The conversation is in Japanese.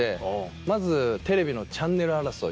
まずテレビのチャンネル争い。